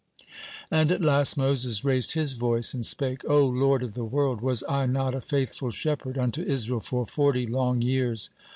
And at last Moses raised his voice and spake: "O Lord of the world, was I not a faithful shepherd unto Israel for forty long years?